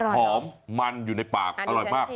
หอมมันอยู่ในปากอร่อยมาก